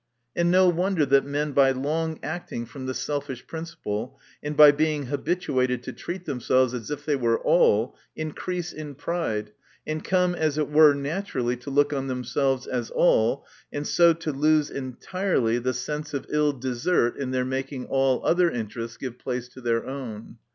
And no wonder that men by long acting from the selfish principle, and by being habituated to treat themselves as if they were all, increase in pride, and come as it were nat urally to look on themselves as all, and so to lose entirely the sense of ill desert in their making all other interests give place to their own.